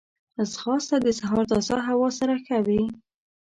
ځغاسته د سهار تازه هوا سره ښه وي